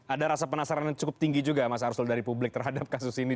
ada rasa penasaran yang cukup tinggi juga mas arsul dari publik terhadap kasus ini